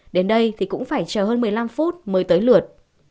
đến đây thì cũng phải chờ hơn một mươi năm phút mới tới lượt